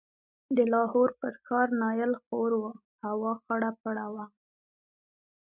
د لاهور پر ښار نایل خور و، هوا خړه پړه وه.